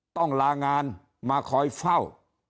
ต้องลางานมาคอยเฝ้า